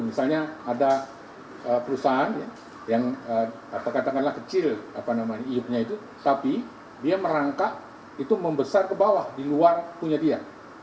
misalnya ada perusahaan yang katakanlah kecil hiunya itu tapi dia merangkak itu membesar ke bawah di luar punya dia